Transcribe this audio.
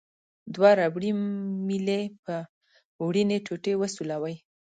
دوه ربړي میلې په وړینې ټوټې وسولوئ.